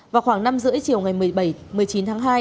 vào khoảng năm rưỡi chiều ngày một mươi bảy một mươi chín tháng hai